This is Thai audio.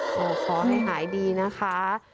ขอให้หายดีนะคะ